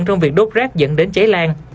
trong việc đốt rác dẫn đến cháy lan